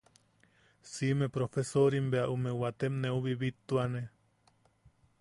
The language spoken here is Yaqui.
Siʼime profesorim bea ume waatem neu bibittuane.